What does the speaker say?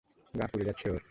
গা পুড়ে যাচ্ছে ওর।